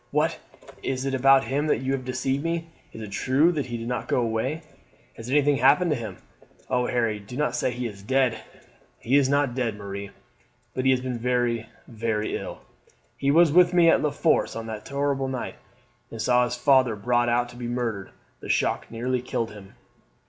"What, is it about him that you deceived me! Is it true that he did not go away? Has anything happened to him? Oh, Harry, do not say he is dead!" "He is not dead, Marie, but he has been very, very ill. He was with me at La Force on that terrible night, and saw his father brought out to be murdered. The shock nearly killed him.